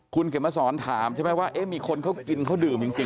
คุณเข็มมาสอนถามใช่ไหมว่ามีคนเขากินเขาดื่มจริง